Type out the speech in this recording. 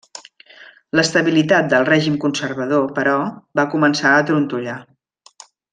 L'estabilitat del règim conservador, però, va començar a trontollar.